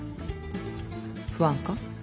不安か？